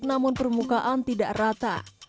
namun permukaan tidak rata